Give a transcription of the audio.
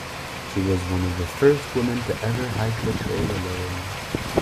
She was one of the first women to ever hike the trail alone.